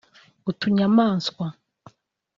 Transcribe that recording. utunyamaswa